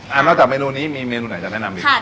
อ่านอกจากเมนูนี้มีเมนูไหนจ๋าแนะนำดิ